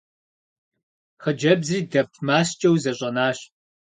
Хъыджэбзри дэп маскӏэу зэщӏэнащ.